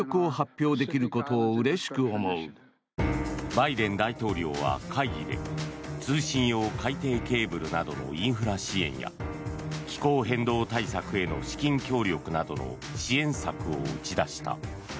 バイデン大統領は会議で通信用海底ケーブルなどのインフラ支援や気候変動対策への資金協力などの支援策を打ち出した。